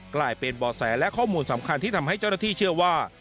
กลายเป็นบ่อแสและข้อมูลสำคัญที่ทำให้เจ้าหน้าที่เชื่อว่า